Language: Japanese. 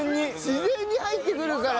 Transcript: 自然に入ってくるから。